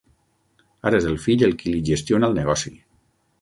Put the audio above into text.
Ara és el fill el qui li gestiona el negoci.